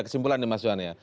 kesimpulan nih mas johan ya